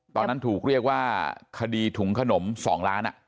ตอนนั้นถูกเรียกว่าคดีถุงขนม๒ล้าน